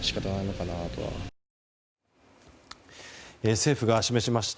政府が示しました